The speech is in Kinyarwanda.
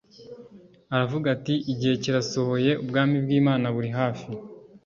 aravuga ati: "Igihe kirasohoye, ubwami bw'Imana buri hafi.